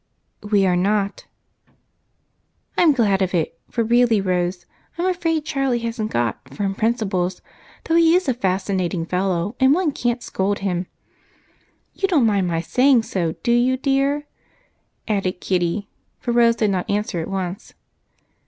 "We are not." "I'm glad of it, for really, Rose, I'm afraid Charlie hasn't got 'firm principles,' though he is a fascinating fellow and one can't scold him. You don't mind my saying so, do you, dear?" added Kitty, for Rose did not answer at once.